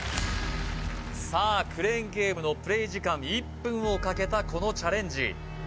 さあクレーンゲームのプレイ時間１分をかけたこのチャレンジ